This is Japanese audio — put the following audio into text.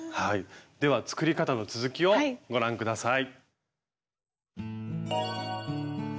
では作り方の続きをご覧下さい。